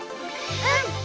うん。